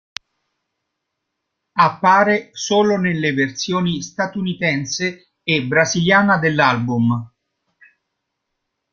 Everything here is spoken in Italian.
Appare solo nelle versioni statunitense e brasiliana dell'album.